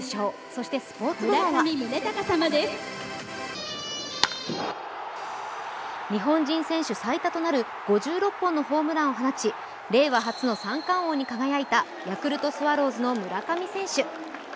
そして、スポーツ部門は日本人選手最多となる５６本のホームランを放ち令和初の三冠王に輝いたヤクルトスワローズの村上選手。